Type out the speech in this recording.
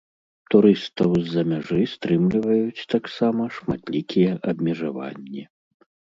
Турыстаў з-за мяжы стрымліваюць таксама шматлікія абмежаванні.